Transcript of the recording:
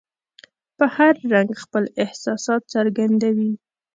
په هر رنګ خپل احساسات څرګندوي.